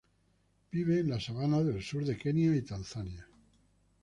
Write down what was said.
Vive en las sabanas del sur de Kenia y Tanzania.